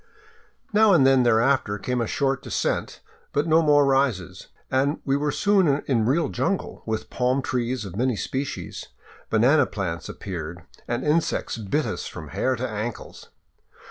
Now and then thereafter came a short descent, but no more rises, and we were soon in real jungle, with palm trees of many species. Banana plants appeared ; and insects bit us from hair to ankles.